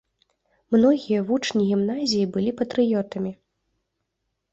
Многія вучні гімназіі былі патрыётамі.